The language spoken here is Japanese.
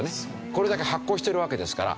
これだけ発行しているわけですから。